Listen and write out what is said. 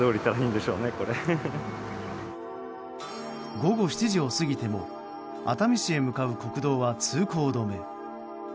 午後７時を過ぎても熱海市へ向かう国道は通行止め。